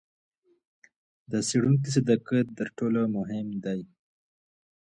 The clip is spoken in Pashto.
د څېړونکي صداقت تر ټولو مهم دئ.